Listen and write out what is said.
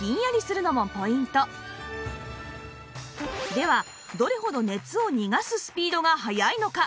ではどれほど熱を逃がすスピードが早いのか？